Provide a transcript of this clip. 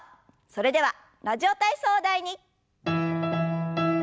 それでは「ラジオ体操第２」。